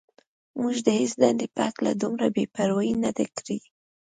موږ د هېڅ دندې په هکله دومره بې پروايي نه ده کړې.